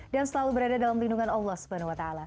dan selalu berada dalam lindungan allah swt